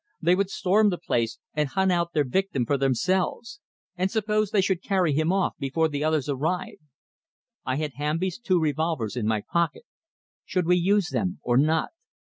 They would storm the place, and hunt out their victim for themselves. And suppose they should carry him off before the others arrived? I had Hamby's two revolvers in my pocket. Should we use them, or not?